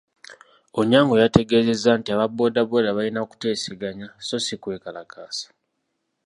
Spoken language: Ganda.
Onyango yategeezezza nti aba bbooda bbooda balina kuteesaganya so ssi kwekalakaasa.